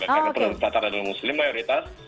karena penduduk batara adalah muslim mayoritas